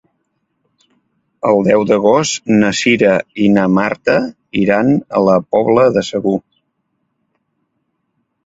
El deu d'agost na Cira i na Marta iran a la Pobla de Segur.